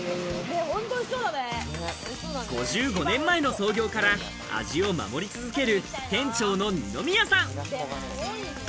５５年前の創業から味を守り続ける、店長の二宮さん。